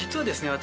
私